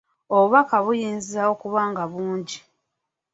Obubaka buyinza okuba nga bungi.